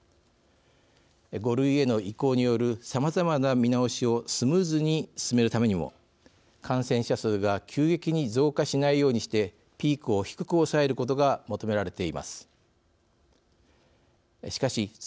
５類への移行によるさまざまな見直しをスムーズに進めるためにも感染者数が急激に増加しないようにしてピークを低く抑えることが求められています。